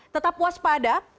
tetap puas pada